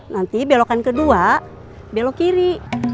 nanti belokan kedua belok kiri